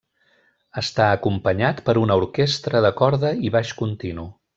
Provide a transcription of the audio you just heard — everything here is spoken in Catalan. Està acompanyat per una orquestra de corda i baix continu.